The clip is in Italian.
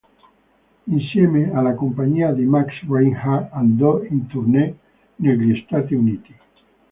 Insieme alla compagnia di Max Reinhardt, andò in tournée negli Stati Uniti.